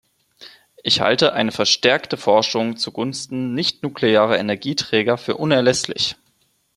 Ich halte eine verstärkte Forschung zugunsten nichtnuklearer Energieträger für unerlässlich.